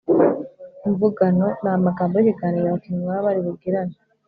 imvugano: ni amagambo y’ikiganiro abakinnyi baba bari bugirane.